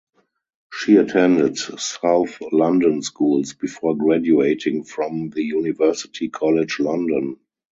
She attended south London schools before graduating from the University College London.